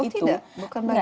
oh tidak bukan bagian dari